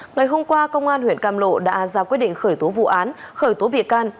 ngày hôm qua công an huyện cam lộ đã ra quyết định khởi tố vụ án khởi tố bị can